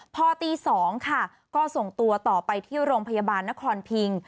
พอตี๒ค่ะก็ส่งตัวต่อไปที่โรงพยาบาลนครพิง